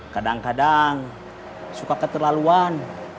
kadang kadang suka keterlaluan